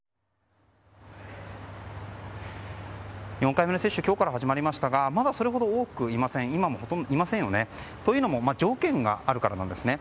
４回目の接種今日から始まりましたがまだ、それほど多くいませんよね。というのも条件があるからなんですね。